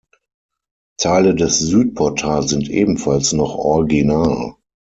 Teile des Südportals sind ebenfalls noch original.